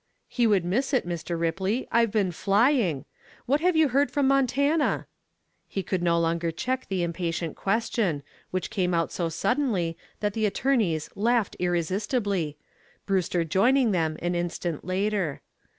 "He would miss it, Mr. Ripley. I've been flying. What have you heard from Montana?" He could no longer check the impatient question, which came out so suddenly that the attorneys laughed irresistibly, Brewster Joining them an instant later.